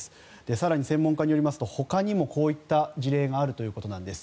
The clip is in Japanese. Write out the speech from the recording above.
更に専門家によりますとほかにもこういった事例があるということなんです。